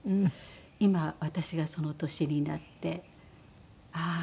今私がその年になってああ